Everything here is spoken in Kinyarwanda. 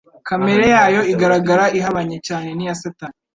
kamere yayo igaragara ihabanye cyane n'iya Satani.